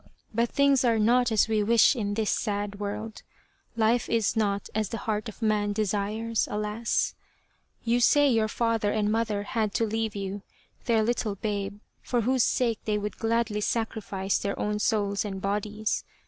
But things are not as we wish in this sad world, life is not as the heart of man desires, alas ! You say your father and mother had to leave you, their little babe, for whose sake they would gladly sacrifice their own souls and bodies.